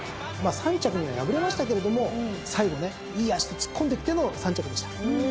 まあ３着には敗れましたけれども最後ねいい脚で突っ込んできての３着でした。